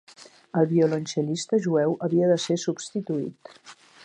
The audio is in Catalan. El violoncel·lista jueu havia de ser substituït.